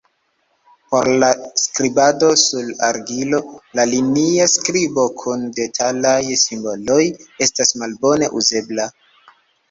Por la skribado sur argilo, la linia skribo kun detalaj simboloj estas malbone uzebla.